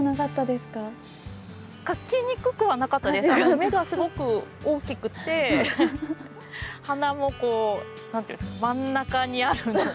目がすごく大きくて鼻もこう何ていうの真ん中にあるので。